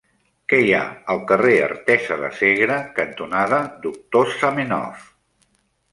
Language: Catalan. Què hi ha al carrer Artesa de Segre cantonada Doctor Zamenhof?